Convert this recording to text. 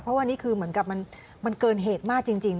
เพราะว่านี่คือเหมือนกับมันเกินเหตุมากจริง